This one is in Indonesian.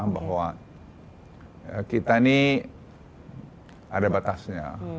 bahwa kita ini ada batasnya